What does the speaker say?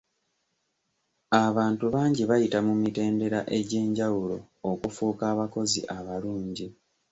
Abantu bangi bayita mu mitendera egy'enjawulo okufuuka abakozi abalungi.